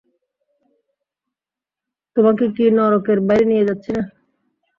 তোমাকে কি নরকের বাইরে নিয়ে যাচ্ছি না।